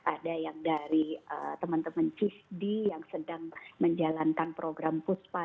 ada yang dari teman teman cisdi yang sedang menjalankan program puspa